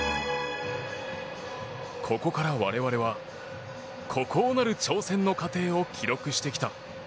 ここから我々は、孤高なる挑戦の過程を記録してきた。